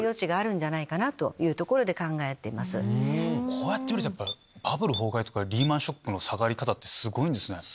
こうやって見るとバブル崩壊とかリーマンショックの下がり方すごいんですね。